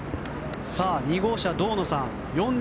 ２号車、堂野さん